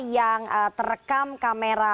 yang terekam kamera